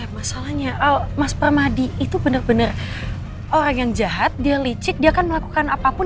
masalahnya mas pak madi itu bener bener orang yang jahat dia licik dia akan melakukan apapun